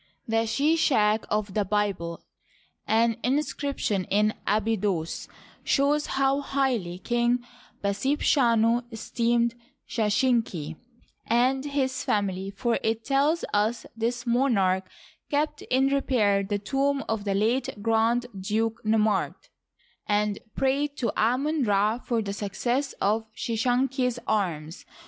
(the Shishaq of the Bible). — An inscription in Abydos shows how highly King Pasebchanu esteemed Sheshenq and his family, for it tells us this monarch kept in repair the tomb of the late Grand Duke Nemart and prayed to Amon Ra for the success of Sheshenq's arms.